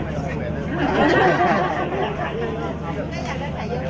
เมืองอัศวินธรรมดาคือสถานที่สุดท้ายของเมืองอัศวินธรรมดา